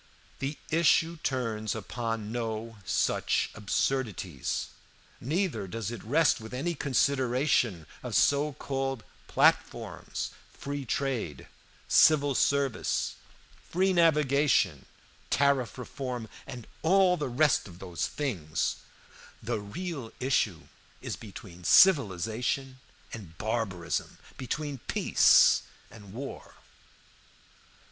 "The issue turns upon no such absurdities, neither does it rest with any consideration of so called platforms free trade, civil service, free navigation, tariff reform, and all the rest of those things. The real issue is between civilization and barbarism, between peace and war.